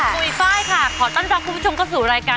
สดุดีมหาราชแห่งชาติไทยรัฐ